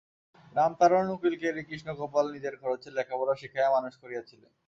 রামতারণ উকিলকে কৃষ্ণগোপাল নিজের খরচে লেখাপড়া শিখাইয়া মানুষ করিয়াছিলেন।